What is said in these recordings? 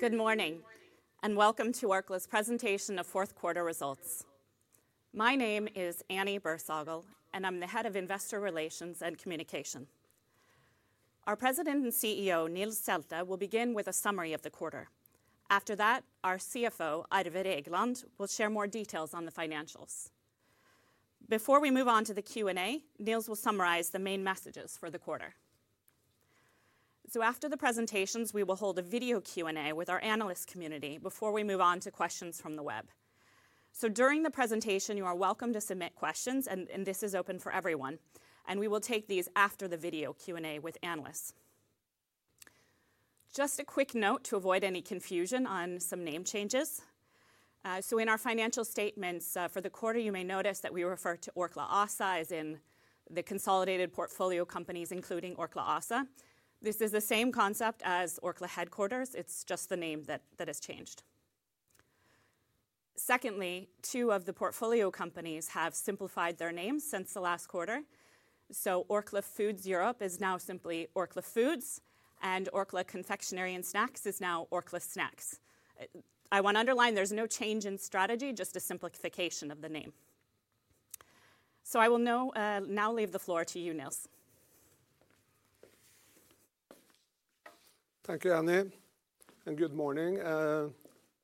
Good morning, and welcome to Orkla's presentation of fourth quarter results. My name is Annie Bersagel, and I'm the Head of Investor Relations and Communication. Our President and CEO, Nils Selte, will begin with a summary of the quarter. After that, our CFO, Arve Regland, will share more details on the financials. Before we move on to the Q&A, Nils will summarize the main messages for the quarter. So, after the presentations, we will hold a video Q&A with our analyst community before we move on to questions from the web. So, during the presentation, you are welcome to submit questions, and this is open for everyone, and we will take these after the video Q&A with analysts. Just a quick note to avoid any confusion on some name changes. In our financial statements for the quarter, you may notice that we refer to Orkla ASA as in the consolidated portfolio companies, including Orkla ASA. This is the same concept as Orkla Headquarters. It's just the name that has changed. Secondly, two of the portfolio companies have simplified their names since the last quarter. Orkla Foods Europe is now simply Orkla Foods, and Orkla Confectionery & Snacks is now Orkla Snacks. I want to underline there's no change in strategy, just a simplification of the name. I will now leave the floor to you, Nils. Thank you, Annie, and good morning to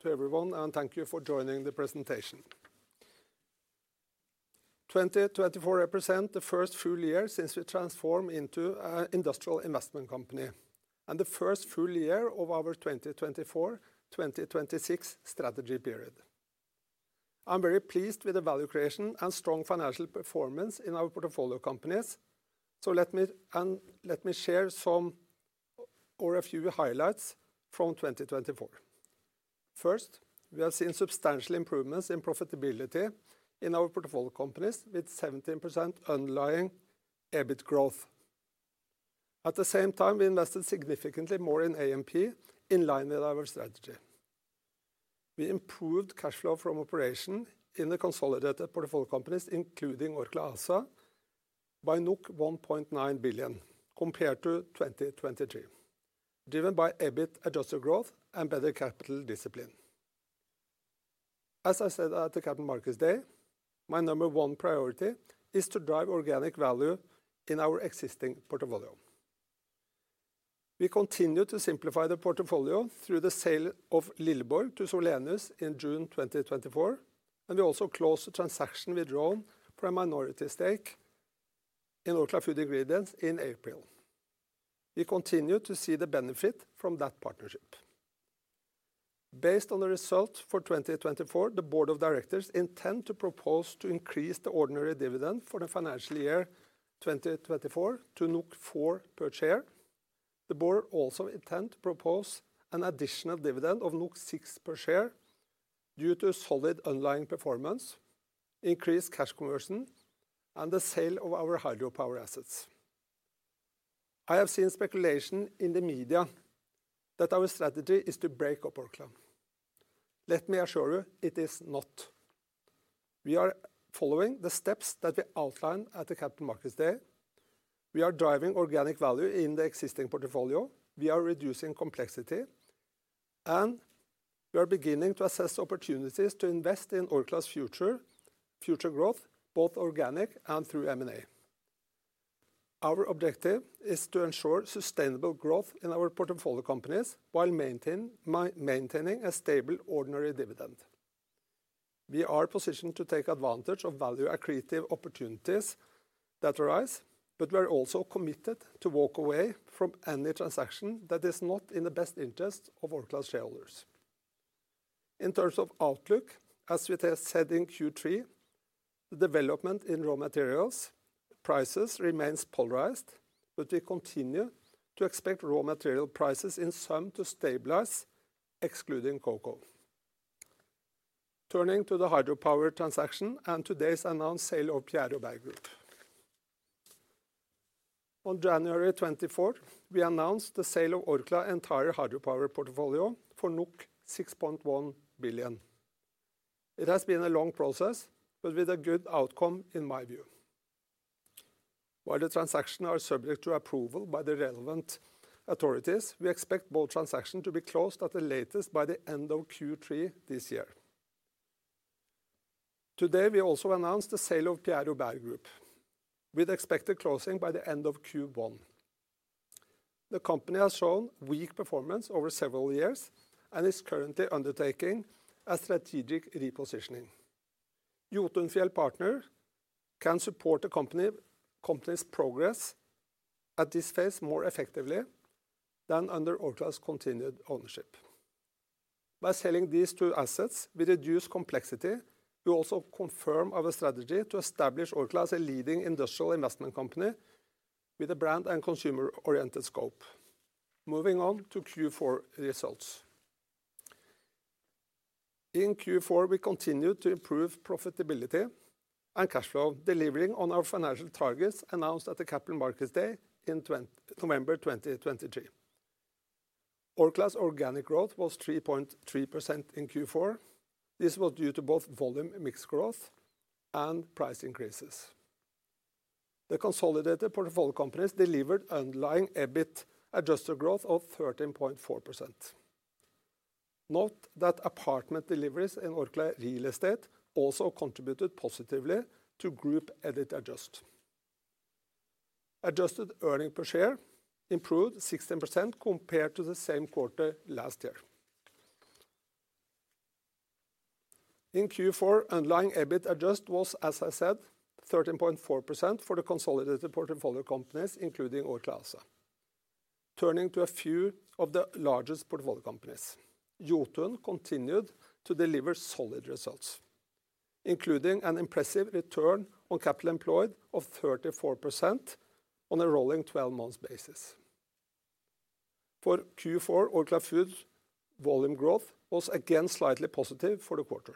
everyone, and thank you for joining the presentation. 2024 represents the first full year since we transformed into an industrial investment company and the first full year of our 2024, 2026 strategy period. I'm very pleased with the value creation and strong financial performance in our portfolio companies, so let me share some or a few highlights from 2024. First, we have seen substantial improvements in profitability in our portfolio companies, with 17% underlying EBIT growth. At the same time, we invested significantly more in A&P, in line with our strategy. We improved cash flow from operation in the consolidated portfolio companies, including Orkla ASA, by NOK 1.9 billion compared to 2023, driven by EBIT adjusted growth and better capital discipline. As I said at the Capital Markets Day, my number one priority is to drive organic value in our existing portfolio. We continue to simplify the portfolio through the sale of Lilleborg to Solenis in June 2024, and we also closed a transaction with Rhône for a minority stake in Orkla Food Ingredients in April. We continue to see the benefit from that partnership. Based on the results for 2024, the Board of Directors intend to propose to increase the ordinary dividend for the financial year 2024 to 4 per share. The board also intends to propose an additional dividend of 6 per share due to solid underlying performance, increased cash conversion, and the sale of our hydropower assets. I have seen speculation in the media that our strategy is to break up Orkla. Let me assure you, it is not. We are following the steps that we outlined at the Capital Markets Day. We are driving organic value in the existing portfolio. We are reducing complexity, and we are beginning to assess opportunities to invest in Orkla's future growth, both organic and through M&A. Our objective is to ensure sustainable growth in our portfolio companies while maintaining a stable ordinary dividend. We are positioned to take advantage of value-accretive opportunities that arise, but we are also committed to walk away from any transaction that is not in the best interest of Orkla's shareholders. In terms of outlook, as we said in Q3, the development in raw materials prices remains polarized, but we continue to expect raw material prices in some to stabilize, excluding cocoa. Turning to the hydropower transaction and today's announced sale of Pierre Robert Group. On January 24, we announced the sale of Orkla's entire hydropower portfolio for 6.1 billion. It has been a long process, but with a good outcome in my view. While the transaction is subject to approval by the relevant authorities, we expect both transactions to be closed at the latest by the end of Q3 this year. Today, we also announced the sale of Pierre Robert Group, with expected closing by the end of Q1. The company has shown weak performance over several years and is currently undertaking a strategic repositioning. Jotunfjell Partners can support the company's progress at this phase more effectively than under Orkla's continued ownership. By selling these two assets, we reduce complexity. We also confirm our strategy to establish Orkla as a leading industrial investment company with a brand and consumer-oriented scope. Moving on to Q4 results. In Q4, we continued to improve profitability and cash flow, delivering on our financial targets announced at the Capital Markets Day in November 2023. Orkla's organic growth was 3.3% in Q4. This was due to both volume mix growth and price increases. The consolidated portfolio companies delivered underlying EBIT adjusted growth of 13.4%. Note that apartment deliveries in Orkla Real Estate also contributed positively to Group EBIT adjusted. Adjusted earnings per share improved 16% compared to the same quarter last year. In Q4, underlying EBIT adjusted was, as I said, 13.4% for the consolidated portfolio companies, including Orkla ASA. Turning to a few of the largest portfolio companies, Jotun continued to deliver solid results, including an impressive return on capital employed of 34% on a rolling 12-month basis. For Q4, Orkla Foods volume growth was again slightly positive for the quarter.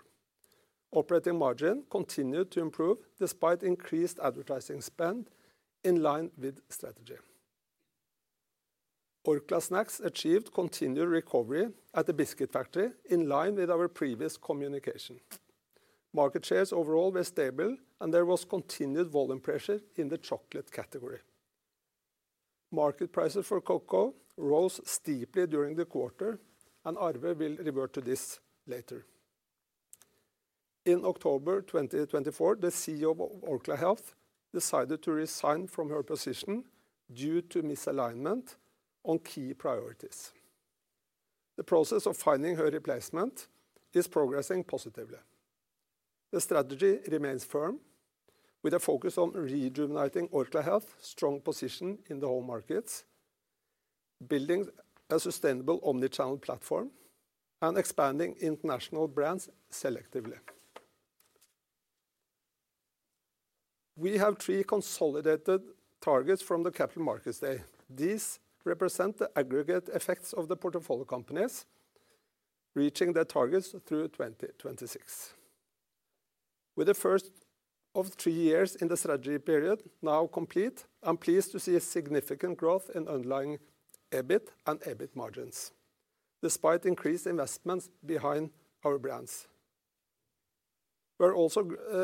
Operating margin continued to improve despite increased advertising spend in line with strategy. Orkla Snacks achieved continued recovery at the biscuit factory in line with our previous communication. Market shares overall were stable, and there was continued volume pressure in the chocolate category. Market prices for cocoa rose steeply during the quarter, and Arve will revert to this later. In October 2024, the CEO of Orkla Health decided to resign from her position due to misalignment on key priorities. The process of finding her replacement is progressing positively. The strategy remains firm, with a focus on rejuvenating Orkla Health's strong position in the home markets, building a sustainable omnichannel platform, and expanding international brands selectively. We have three consolidated targets from the Capital Markets Day. These represent the aggregate effects of the portfolio companies reaching their targets through 2026. With the first of three years in the strategy period now complete, I'm pleased to see a significant growth in underlying EBIT and EBIT margins, despite increased investments behind our brands. We're also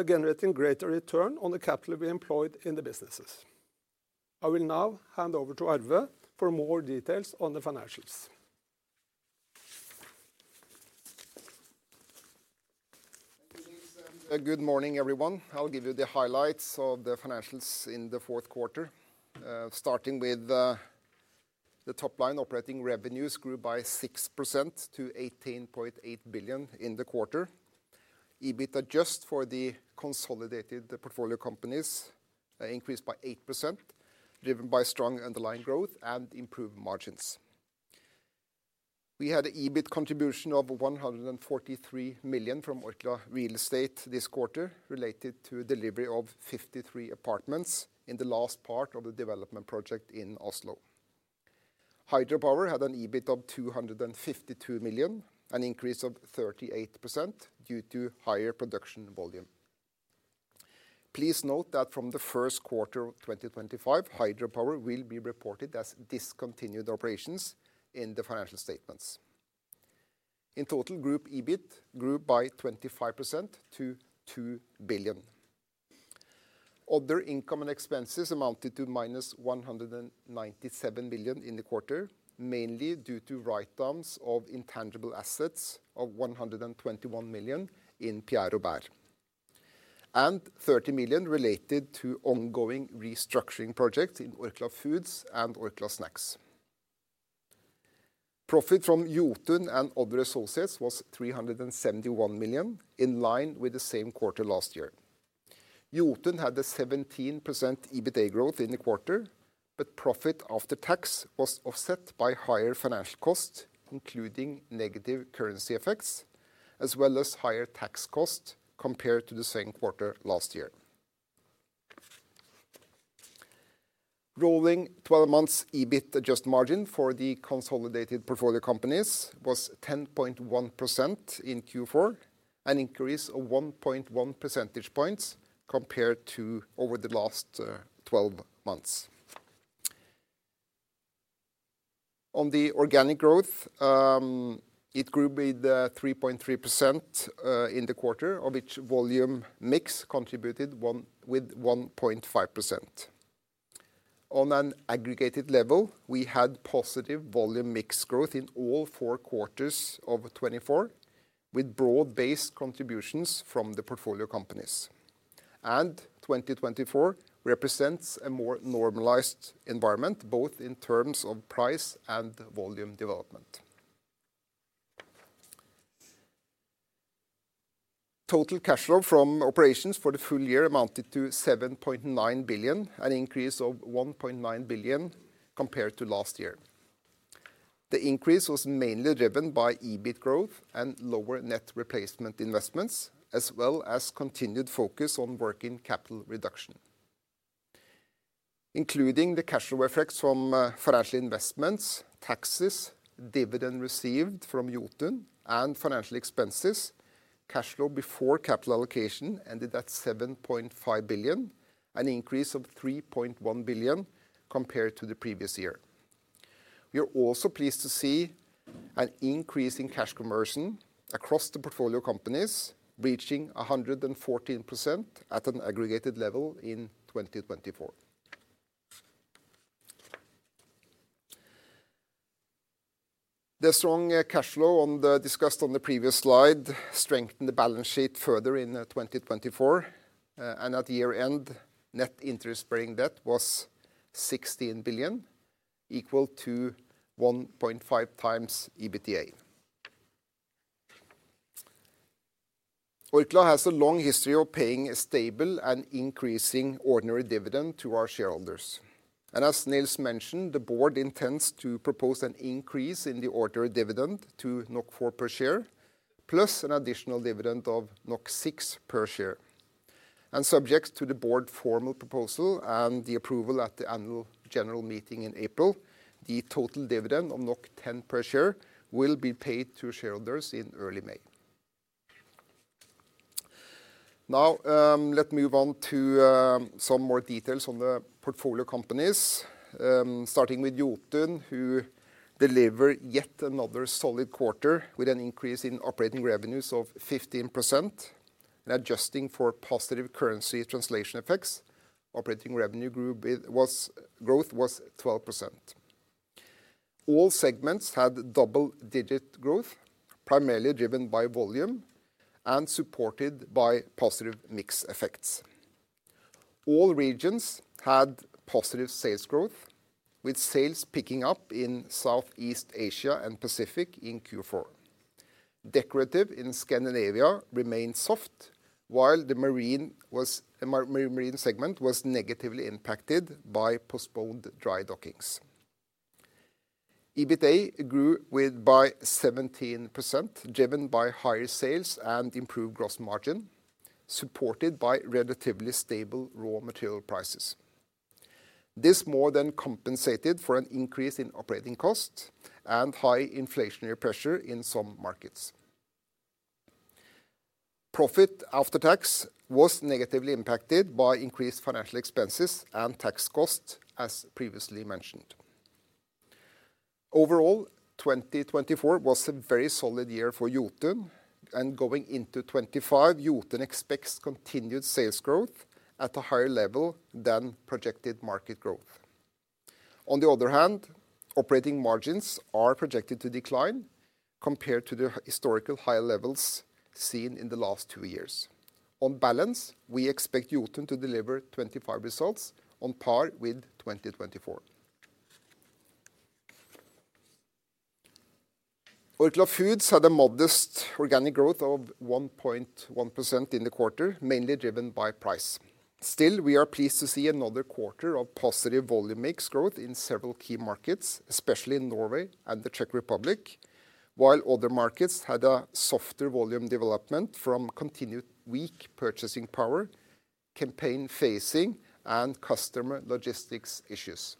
generating greater return on the capital we employed in the businesses. I will now hand over to Arve for more details on the financials. Good morning, everyone. I'll give you the highlights of the financials in the fourth quarter, starting with the top line. Operating revenues grew by 6% to 18.8 billion in the quarter. EBIT adjust for the consolidated portfolio companies increased by 8%, driven by strong underlying growth and improved margins. We had an EBIT contribution of 143 million from Orkla Real Estate this quarter, related to delivery of 53 apartments in the last part of the development project in Oslo. Hydropower had an EBIT of 252 million, an increase of 38% due to higher production volume. Please note that from the first quarter of 2025, hydropower will be reported as discontinued operations in the financial statements. In total, Group EBIT grew by 25% to 2 billion. Other income and expenses amounted to -197 million in the quarter, mainly due to write-downs of intangible assets of 121 million in Pierre Robert, and 30 million related to ongoing restructuring projects in Orkla Foods and Orkla Snacks. Profit from Jotun and other associates was 371 million, in line with the same quarter last year. Jotun had a 17% EBITA growth in the quarter, but profit after tax was offset by higher financial costs, including negative currency effects, as well as higher tax costs compared to the same quarter last year. Rolling 12-month EBIT adjusted margin for the consolidated portfolio companies was 10.1% in Q4, an increase of 1.1 percentage points compared to over the last 12 months. On the organic growth, it grew with 3.3% in the quarter, of which volume mix contributed with 1.5%. On an aggregated level, we had positive volume mix growth in all four quarters of 2024, with broad-based contributions from the portfolio companies. And 2024 represents a more normalized environment, both in terms of price and volume development. Total cash flow from operations for the full year amounted to 7.9 billion, an increase of 1.9 billion compared to last year. The increase was mainly driven by EBIT growth and lower net replacement investments, as well as continued focus on working capital reduction, including the cash flow effects from financial investments, taxes, dividend received from Jotun, and financial expenses. Cash flow before capital allocation ended at 7.5 billion, an increase of 3.1 billion compared to the previous year. We are also pleased to see an increase in cash conversion across the portfolio companies, reaching 114% at an aggregated level in 2024. The strong cash flow discussed on the previous slide strengthened the balance sheet further in 2024, and at year-end, net interest-bearing debt was 16 billion, equal to 1.5x EBITDA. Orkla has a long history of paying a stable and increasing ordinary dividend to our shareholders, and as Nils mentioned, the board intends to propose an increase in the ordinary dividend to 4 per share, plus an additional dividend of 6 per share, and subject to the board's formal proposal and the approval at the annual general meeting in April, the total dividend of 10 per share will be paid to shareholders in early May. Now, let's move on to some more details on the portfolio companies, starting with Jotun, who delivered yet another solid quarter with an increase in operating revenues of 15%, and adjusting for positive currency translation effects, operating revenue growth was 12%. All segments had double-digit growth, primarily driven by volume and supported by positive mix effects. All regions had positive sales growth, with sales picking up in Southeast Asia and Pacific in Q4. Decorative in Scandinavia remained soft, while the Marine segment was negatively impacted by postponed dry dockings. EBITA grew by 17%, driven by higher sales and improved gross margin, supported by relatively stable raw material prices. This more than compensated for an increase in operating costs and high inflationary pressure in some markets. Profit after tax was negatively impacted by increased financial expenses and tax costs, as previously mentioned. Overall, 2024 was a very solid year for Jotun, and going into 2025, Jotun expects continued sales growth at a higher level than projected market growth. On the other hand, operating margins are projected to decline compared to the historical high levels seen in the last two years. On balance, we expect Jotun to deliver 2025 results on par with 2024. Orkla Foods had a modest organic growth of 1.1% in the quarter, mainly driven by price. Still, we are pleased to see another quarter of positive volume mix growth in several key markets, especially in Norway and the Czech Republic, while other markets had a softer volume development from continued weak purchasing power, campaign phasing, and customer logistics issues.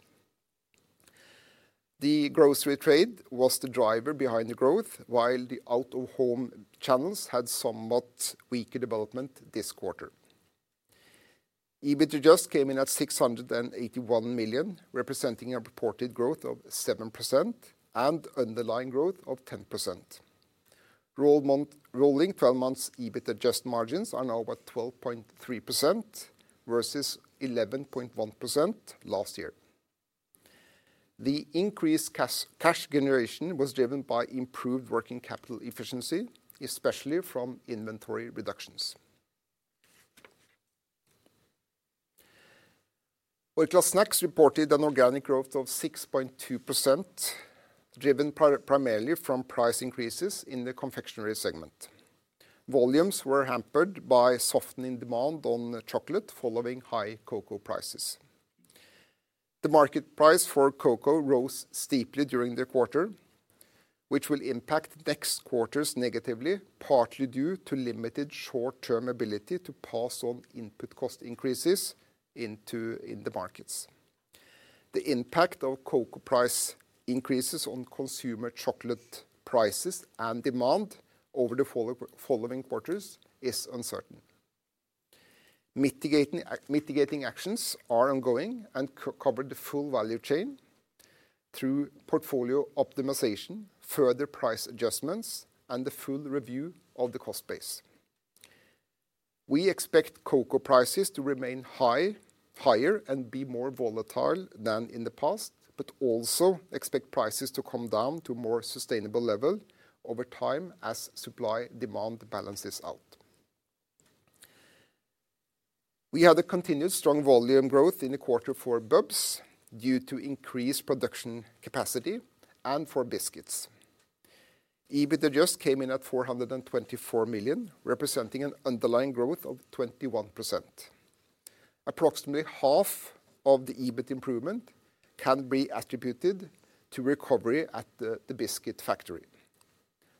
The grocery trade was the driver behind the growth, while the out-of-home channels had somewhat weaker development this quarter. EBIT adjust came in at 681 million, representing a reported growth of 7% and underlying growth of 10%. Rolling 12-month EBIT adjust margins are now at 12.3% versus 11.1% last year. The increased cash generation was driven by improved working capital efficiency, especially from inventory reductions. Orkla Snacks reported an organic growth of 6.2%, driven primarily from price increases in the confectionery segment. Volumes were hampered by softening demand on chocolate following high cocoa prices. The market price for cocoa rose steeply during the quarter, which will impact next quarters negatively, partly due to limited short-term ability to pass on input cost increases into the markets. The impact of cocoa price increases on consumer chocolate prices and demand over the following quarters is uncertain. Mitigating actions are ongoing and cover the full value chain through portfolio optimization, further price adjustments, and the full review of the cost base. We expect cocoa prices to remain higher and be more volatile than in the past, but also expect prices to come down to a more sustainable level over time as supply-demand balances out. We had continued strong volume growth in the quarter for Bubs due to increased production capacity and for biscuits. EBIT adjust came in at 424 million, representing an underlying growth of 21%. Approximately half of the EBIT improvement can be attributed to recovery at the biscuit factory.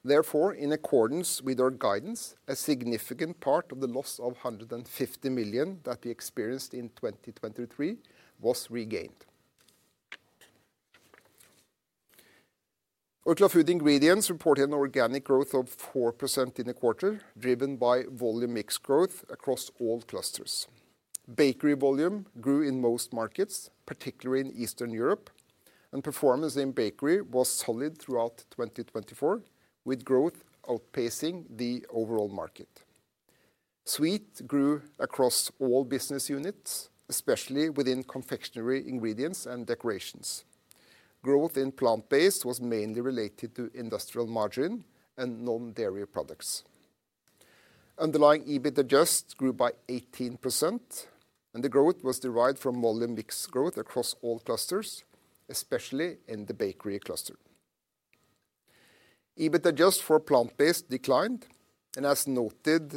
Therefore, in accordance with our guidance, a significant part of the loss of 150 million that we experienced in 2023 was regained. Orkla Food Ingredients reported an organic growth of 4% in the quarter, driven by volume mix growth across all clusters. Bakery volume grew in most markets, particularly in Eastern Europe, and performance in bakery was solid throughout 2024, with growth outpacing the overall market. Sweets grew across all business units, especially within confectionery ingredients and decorations. Growth in plant-based was mainly related to industrial margarine and non-dairy products. Underlying EBIT adjust grew by 18%, and the growth was derived from volume mix growth across all clusters, especially in the bakery cluster. EBIT adjust for plant-based declined, and as we noted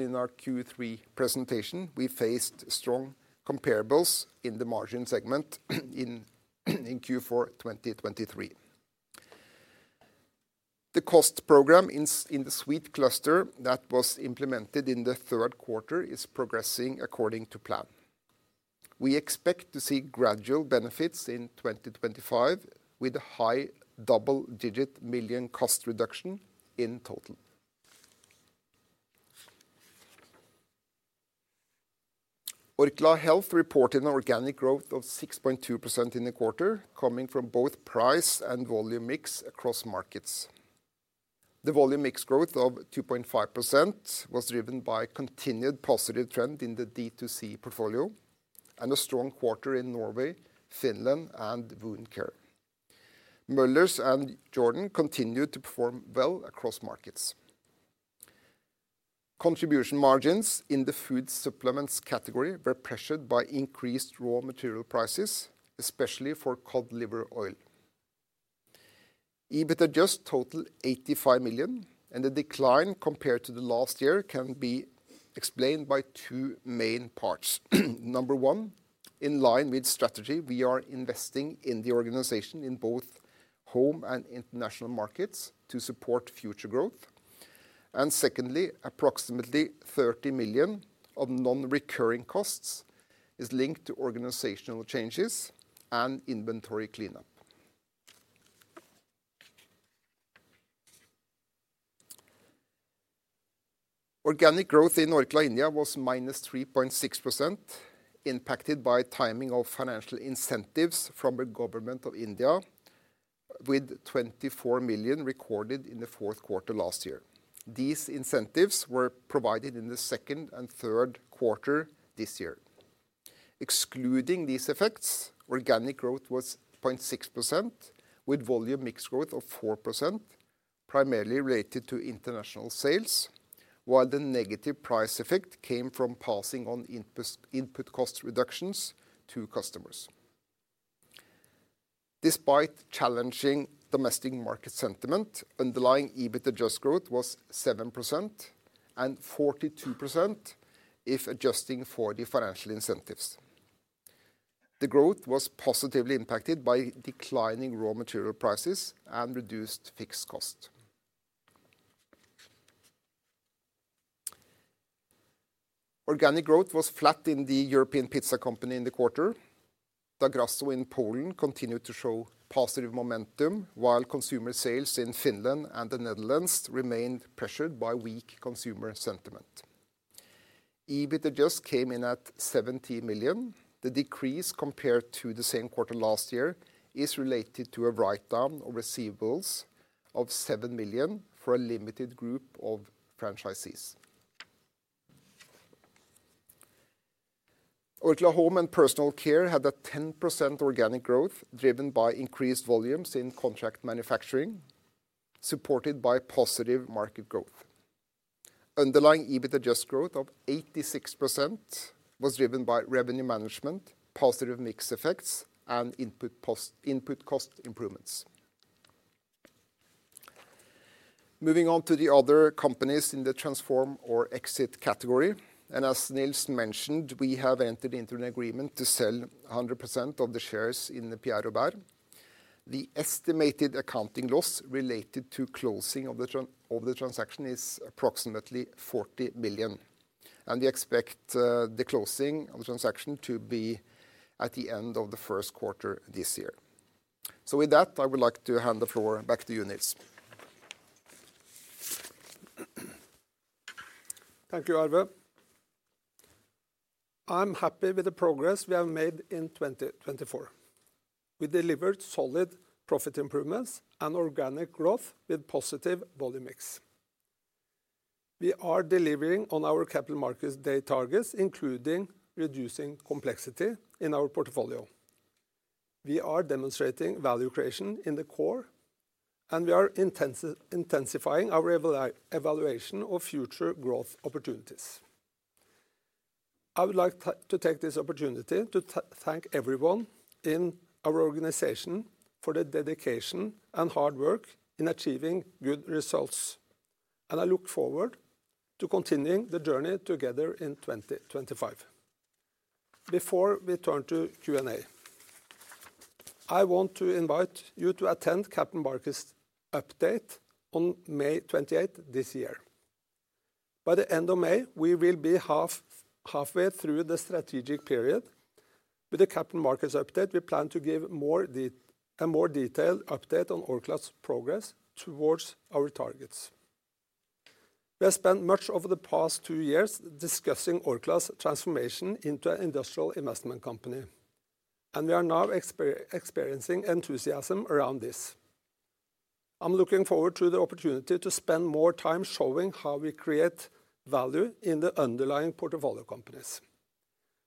in our Q3 presentation, we faced strong comparables in the margarine segment in Q4 2023. The cost program in the sweet cluster that was implemented in the third quarter is progressing according to plan. We expect to see gradual benefits in 2025 with a high double-digit million cost reduction in total. Orkla Health reported an organic growth of 6.2% in the quarter, coming from both price and volume mix across markets. The volume mix growth of 2.5% was driven by a continued positive trend in the D2C portfolio and a strong quarter in Norway, Finland, and Wound Care. Möller's and Jordan continued to perform well across markets. Contribution margins in the food supplements category were pressured by increased raw material prices, especially for cod liver oil. EBIT adjust total 85 million, and the decline compared to the last year can be explained by two main parts. Number one, in line with strategy, we are investing in the organization in both home and international markets to support future growth, and secondly, approximately 30 million of non-recurring costs is linked to organizational changes and inventory cleanup. Organic growth in Orkla India was -3.6%, impacted by timing of financial incentives from the government of India, with 24 million recorded in the fourth quarter last year. These incentives were provided in the second and third quarter this year. Excluding these effects, organic growth was 0.6%, with volume mix growth of 4%, primarily related to international sales, while the negative price effect came from passing on input cost reductions to customers. Despite challenging domestic market sentiment, underlying EBIT adjust growth was 7% and 42% if adjusting for the financial incentives. The growth was positively impacted by declining raw material prices and reduced fixed costs. Organic growth was flat in the European pizza company in the quarter. Da Grasso in Poland continued to show positive momentum, while consumer sales in Finland and the Netherlands remained pressured by weak consumer sentiment. EBIT adjust came in at 70 million. The decrease compared to the same quarter last year is related to a write-down of receivables of 7 million for a limited group of franchisees. Orkla Home & Personal Care had a 10% organic growth driven by increased volumes in contract manufacturing, supported by positive market growth. Underlying EBIT adjust growth of 86% was driven by revenue management, positive mix effects, and input cost improvements. Moving on to the other companies in the transform or exit category. As Nils mentioned, we have entered into an agreement to sell 100% of the shares in the Pierre Robert Group. The estimated accounting loss related to closing of the transaction is approximately 40 million, and we expect the closing of the transaction to be at the end of the first quarter this year. With that, I would like to hand the floor back to you, Nils. Thank you, Arve. I'm happy with the progress we have made in 2024. We delivered solid profit improvements and organic growth with positive volume mix. We are delivering on our Capital Markets Day targets, including reducing complexity in our portfolio. We are demonstrating value creation in the core, and we are intensifying our evaluation of future growth opportunities. I would like to take this opportunity to thank everyone in our organization for the dedication and hard work in achieving good results, and I look forward to continuing the journey together in 2025. Before we turn to Q&A, I want to invite you to attend Capital Markets Update on May 28 this year. By the end of May, we will be halfway through the strategic period. With the Capital Markets Update, we plan to give a more detailed update on Orkla's progress towards our targets. We have spent much of the past two years discussing Orkla's transformation into an industrial investment company, and we are now experiencing enthusiasm around this. I'm looking forward to the opportunity to spend more time showing how we create value in the underlying portfolio companies.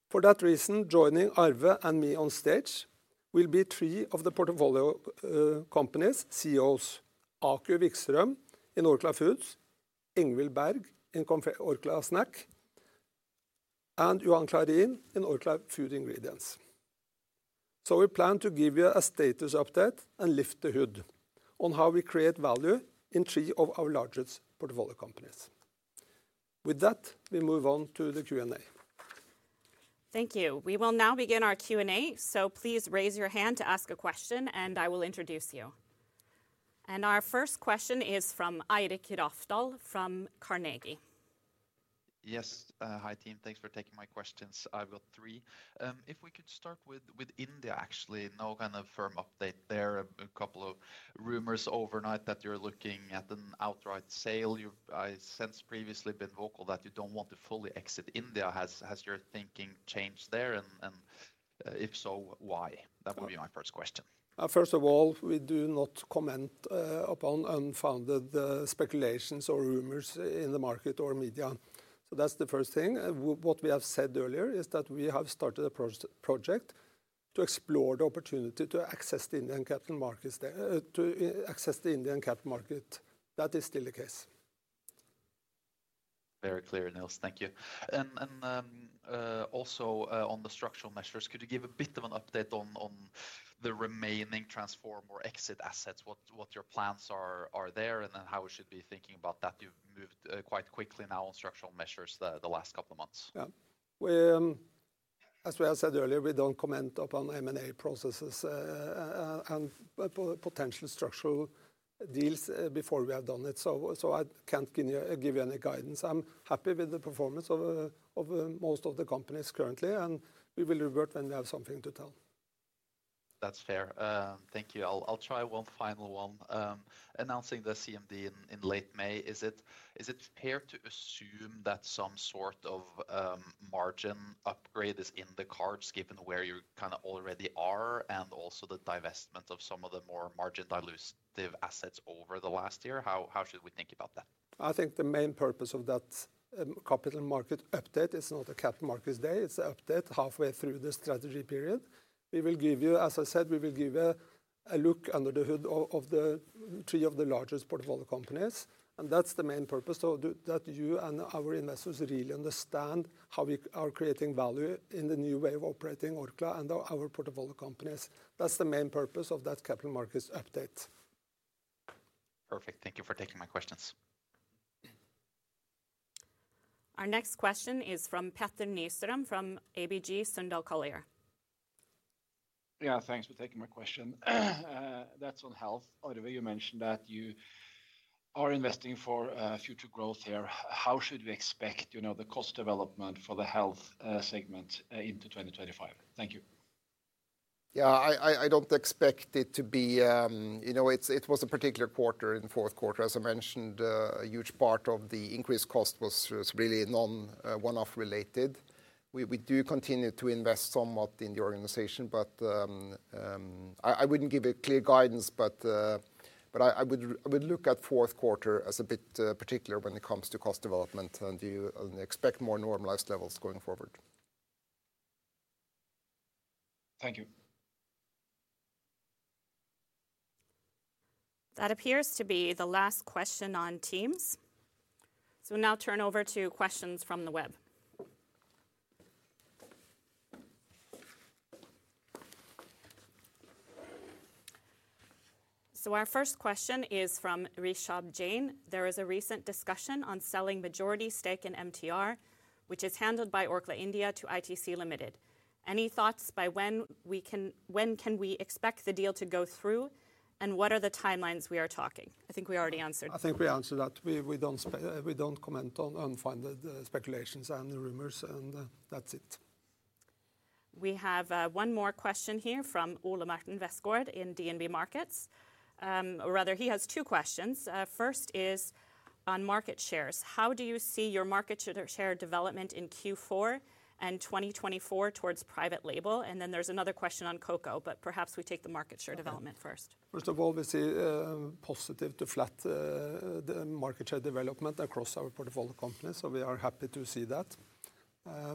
For that reason, joining Arve and me on stage will be three of the portfolio companies' CEOs: Aku Vikström in Orkla Foods, Ingvill Berg in Orkla Snacks, and Johan Clarin in Orkla Food Ingredients. So we plan to give you a status update and lift the hood on how we create value in three of our largest portfolio companies. With that, we move on to the Q&A. Thank you. We will now begin our Q&A, so please raise your hand to ask a question, and I will introduce you. And our first question is from Eirik Rafdal from Carnegie. Yes, hi team, thanks for taking my questions. I've got three. If we could start with India, actually, no kind of firm update there. A couple of rumors overnight that you're looking at an outright sale. I sense previously been vocal that you don't want to fully exit India. Has your thinking changed there, and if so, why? That would be my first question. First of all, we do not comment upon unfounded speculations or rumors in the market or media. So that's the first thing. What we have said earlier is that we have started a project to explore the opportunity to access the Indian capital market. That is still the case. Very clear, Nils. Thank you. And also on the structural measures, could you give a bit of an update on the remaining transform or exit assets, what your plans are there, and then how we should be thinking about that? You've moved quite quickly now on structural measures the last couple of months. Yeah, as we have said earlier, we don't comment upon M&A processes and potential structural deals before we have done it. So I can't give you any guidance. I'm happy with the performance of most of the companies currently, and we will revert when we have something to tell. That's fair. Thank you. I'll try one final one. Announcing the CMD in late May, is it fair to assume that some sort of margin upgrade is in the cards given where you kind of already are and also the divestment of some of the more margin dilutive assets over the last year? How should we think about that? I think the main purpose of that capital market update is not a Capital Markets Day. It's an update halfway through the strategy period. We will give you, as I said, we will give you a look under the hood of the three of the largest portfolio companies. And that's the main purpose that you and our investors really understand how we are creating value in the new way of operating Orkla and our portfolio companies. That's the main purpose of that Capital Markets Update. Perfect. Thank you for taking my questions. Our next question is from Petter Nystrøm from ABG Sundal Collier. Yeah, thanks for taking my question. That's on Health. Arve, you mentioned that you are investing for future growth here. How should we expect, you know, the cost development for the health segment into 2025? Thank you. Yeah, I don't expect it to be, you know, it was a particular quarter in the fourth quarter, as I mentioned, a huge part of the increased cost was really non-one-off related. We do continue to invest somewhat in the organization, but I wouldn't give a clear guidance, but I would look at fourth quarter as a bit particular when it comes to cost development and expect more normalized levels going forward. Thank you. That appears to be the last question on Teams. So we'll now turn over to questions from the web. So our first question is from Rishabh Jain. There is a recent discussion on selling majority stake in MTR, which is handled by Orkla India to ITC Limited. Any thoughts by when we can expect the deal to go through and what are the timelines we are talking? I think we already answered that. I think we answered that. We don't comment on unfounded speculations and rumors, and that's it. We have one more question here from Ole Martin Westgaard in DNB Markets, or rather, he has two questions. First is on market shares. How do you see your market share development in Q4 and 2024 towards private label? And then there's another question on cocoa, but perhaps we take the market share development first. First of all, we see a positive to flat market share development across our portfolio companies, so we are happy to see that.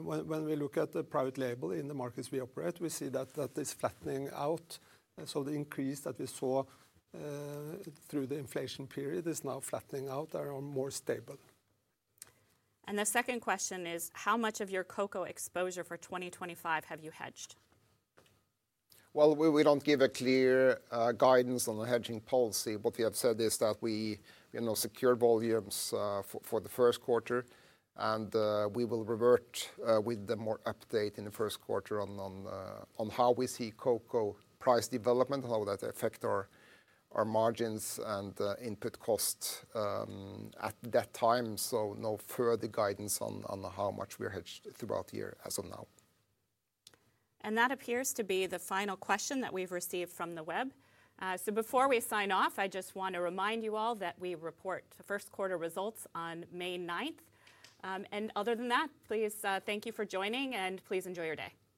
When we look at the private label in the markets we operate, we see that that is flattening out. So the increase that we saw through the inflation period is now flattening out. They are more stable. And the second question is, how much of your cocoa exposure for 2025 have you hedged? Well, we don't give a clear guidance on the hedging policy. What we have said is that we secure volumes for the first quarter, and we will revert with the more update in the first quarter on how we see cocoa price development, how that affects our margins and input costs at that time, so no further guidance on how much we are hedged throughout the year as of now. And that appears to be the final question that we've received from the web, so before we sign off, I just want to remind you all that we report first quarter results on May 9th, and other than that, please, thank you for joining and please enjoy your day.